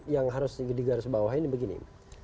yang harus digaris bawah ini begini